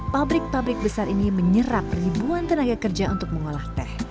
pabrik pabrik besar ini menyerap ribuan tenaga kerja untuk mengolah teh